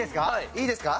いいですか？